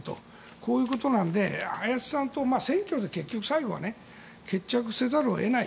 こういうことなので林さんと選挙で結局最後は決着せざるを得ない。